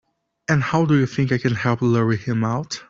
And how do you think I can help lure him out?